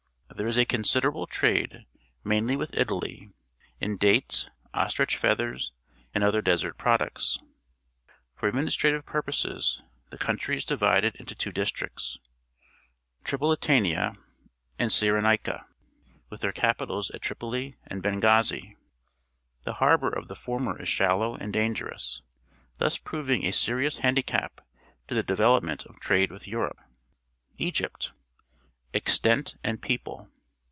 There is a considerable trade, mainly with Italy, in dates, ostrich feathers, and other desert products. For administrative pur poses the country is di\4ded into two districts, Tripolitania and Cyrenaica, vnih their capitals at Tripoli and Benghazi. The harbour of the former is shallow and dangerous, thus pro\'ing a serious handicap to the develop ment of trade with Europe. EGYPT r^/ Extent andPeople.